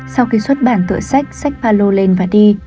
sau khi xuất bản tựa sách sách palo lên và d